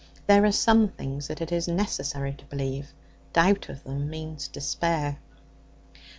There are some things that it is necessary to believe; doubt of them means despair.